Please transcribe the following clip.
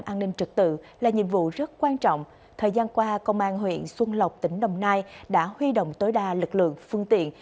an ninh trực tự là nhiệm vụ rất quan trọng thời gian qua công an huyện xuân lộc tỉnh đồng nai đã huy động tối đa lực lượng phương tiện